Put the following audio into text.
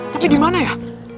pak de dimana ya